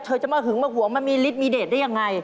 เธอจะมาหึงมาห่วงมันมีฤทธิ์มีเดทได้อย่างไร